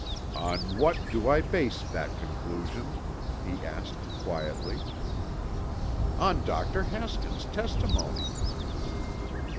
"On what do I base that conclusion?" he asked quietly. "On Dr. Haskins' testimony."